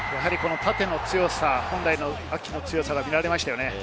縦の強さ、アキの強さが見られましたね。